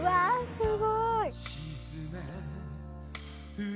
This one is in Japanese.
すごい！